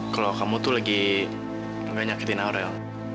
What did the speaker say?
kalau kamu tuh lagi gak nyakitin aurel